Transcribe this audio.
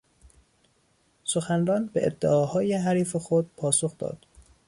سخنران به ادعاهای حریف خود پاسخ داد.